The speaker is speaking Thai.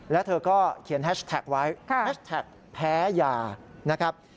แล้วเธอก็เขียนแฮชแท็กไว้แฮชแท็กแพ้ยานะครับ